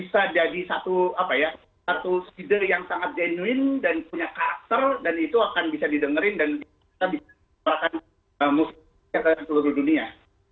bisa jadi satu ide yang sangat genuin dan punya karakter dan itu akan bisa didengerin dan bisa dikembangkan musiknya di seluruh dunia